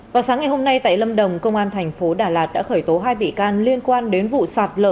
vào sáng ngày hôm nay tại lâm đồng công an thành phố đà lạt đã khởi tố hai bị can liên quan đến vụ sạt lở